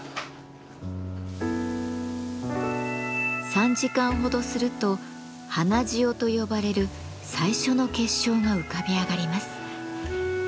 ３時間ほどすると花塩と呼ばれる最初の結晶が浮かび上がります。